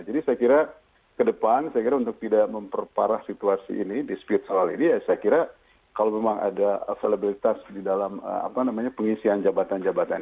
jadi saya kira kedepan saya kira untuk tidak memperparah situasi ini di spiritual ini ya saya kira kalau memang ada availability di dalam apa namanya pengisian jabatan